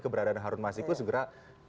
keberadaan harun masiku segera